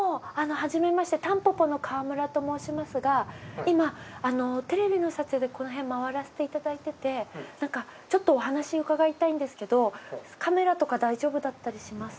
はじめましてたんぽぽの川村と申しますが今テレビの撮影でこの辺回らせていただいててちょっとお話伺いたいんですけどカメラとか大丈夫だったりします？